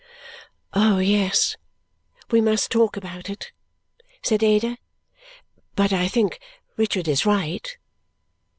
"Oh, yes! We must talk about it!" said Ada. "But I think Richard is right."